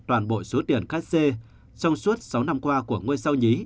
toàn bộ số tiền ca xe trong suốt sáu năm qua của ngôi sao nhí